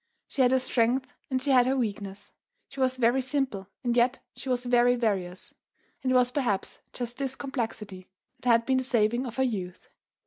She had her strength and she had her weakness; she was very simple and yet she was very various; and it was perhaps just this complexity that had been the saving of her youth.